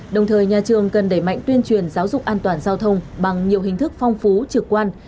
đồng thời nhà trường cần đẩy mạnh tuyên truyền giáo dục an toàn giao thông bằng nhiều hình thức phong phú trực quan